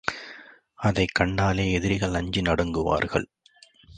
அதைக் கண்டாலே எதிரிகள் அஞ்சி நடுங்குவார்கள.